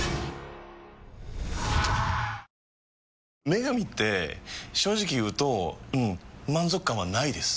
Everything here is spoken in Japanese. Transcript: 「麺神」って正直言うとうん満足感はないです。